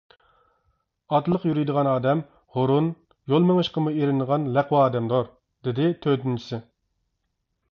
ئاتلىق يۈرىدىغان ئادەم ھۇرۇن، يول مېڭىشقىمۇ ئېرىنىدىغان لەقۋا ئادەمدۇر، دېدى تۆتىنچىسى.